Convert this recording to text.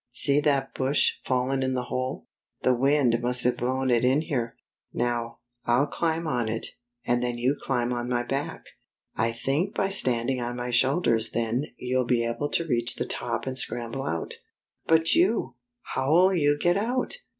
" See that bush fallen in the hole. The wind must have blown it in here. Now, I'll climb on it, and then you climb on my back. I think by standing on my shoulders then you'll be able to reach tihe top and scramble out." " But you ? How'll you get out